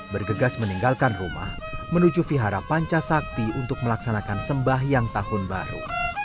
bergegas meninggalkan rumah menuju vihara panca sakti untuk melaksanakan sembah yang tahun baru